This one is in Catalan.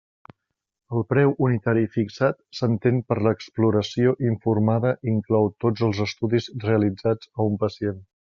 El preu unitari fixat s'entén per exploració informada i inclou tots els estudis realitzats a un pacient.